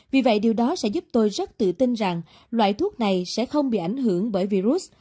vì vậy điều đó sẽ giúp tôi rất tự tin rằng loại thuốc này sẽ không bị ảnh hưởng bởi virus